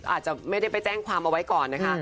อาจจะไม่ได้ไปแจ้งความเอาไว้ก่อนนะคะ